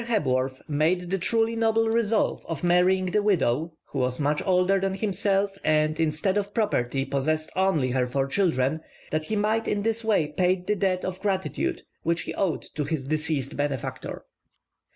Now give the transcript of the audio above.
Hebworth made the truly noble resolve of marrying the widow, who was much older than himself, and, instead of property, possessed only her four children, that he might in this way pay the debt of gratitude which he owed to his deceased benefactor.